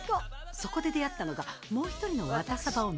そこで出会ったのがもう一人のワタサバ女